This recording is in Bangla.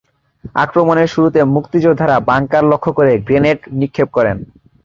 আক্রমণের শুরুতে মুক্তিযোদ্ধারা বাংকার লক্ষ্য করে গ্রেনেড নিক্ষেপ করেন।